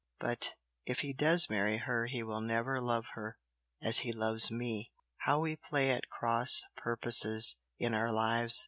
But if he does marry her he will never love her as he loves ME! How we play at cross purposes in our lives!